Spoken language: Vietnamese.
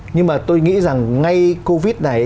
nhưng mà tôi nghĩ rằng ngay covid này